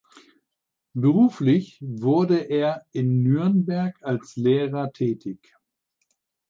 Beruflich wurde er in Nürnberg als Lehrer tätig.